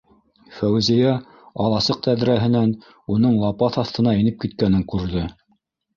Фәүзиә, аласыҡ тәҙрәһенән уның лапаҫ аҫтына инеп киткәнен күрҙе.